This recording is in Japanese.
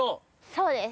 そうです。